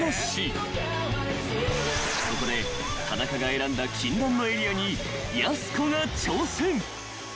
［そこで田中が選んだ禁断のエリアにやす子が挑戦］